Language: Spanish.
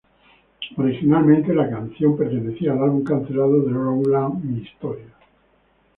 Originalmente la canción pertenecía álbum cancelado de Rowland "My Story".